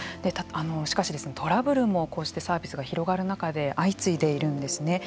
しかし、トラブルもこうしてサービスが広がる中で相次いでいるんですね。